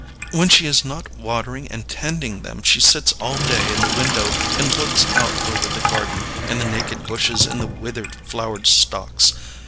When she is not watering and tending them she sits all day in the window and looks out over the garden and the naked bushes and the withered flower stalks.